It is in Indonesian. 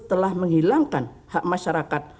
telah menghilangkan hak masyarakat